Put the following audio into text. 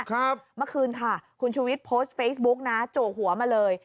เมื่อคืนค่ะคุณชูวิทย์โพสต์เฟซบุ๊กนะจู่หัวมาเลย